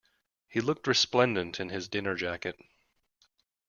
He looked resplendent in his dinner jacket